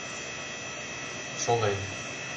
ШОЛЕМ